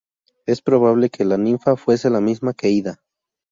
Es probable que la ninfa fuese la misma que Ida.